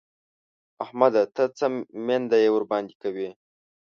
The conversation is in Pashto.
احمده! ته څه مينده يي ورباندې کوې؟!